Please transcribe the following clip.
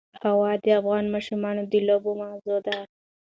هوا د افغان ماشومانو د لوبو موضوع ده.